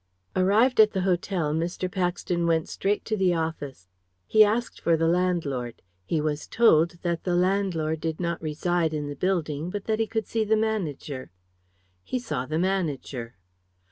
Arrived at the hotel, Mr. Paxton went straight to the office. He asked for the landlord. He was told that the landlord did not reside in the building, but that he could see the manager. He saw the manager.